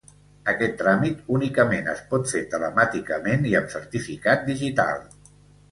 Aquest tràmit únicament es pot fer telemàticament i amb certificat digital.